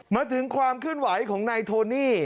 มาถึงความขึ้นไหวของนายโทนี่